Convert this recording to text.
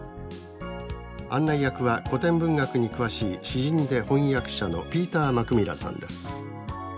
案内役は古典文学に詳しい詩人で翻訳者のピーター・マクミランさんです。